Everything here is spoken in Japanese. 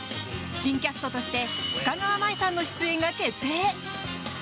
新キャストとして深川麻衣さんの出演が決定。